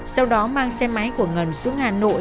sau đó mang xe máy của ngân xuống hà nội